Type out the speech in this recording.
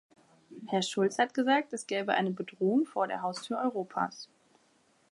Herr Schulz hat gesagt, es gäbe eine Bedrohung vor der Haustür Europas.